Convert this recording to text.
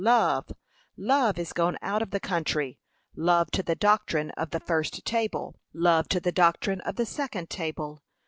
Love! love is gone out of the country; love to the doctrine of the first table, love to the doctrine of the second table.